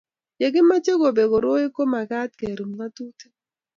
ye kimeche kobek koroi ya ko mekat kerub ng'atutik